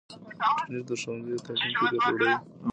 انټرنیټ د ښوونځیو د تعلیم کیفیت لوړوي.